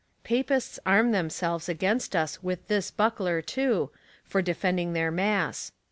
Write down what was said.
Papists arm themselves against us with this buckler, too, for de fending their mass.